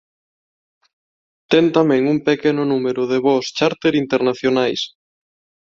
Ten tamén un pequeno número de voos chárter internacionais.